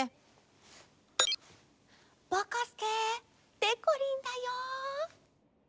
ぼこすけでこりんだよ。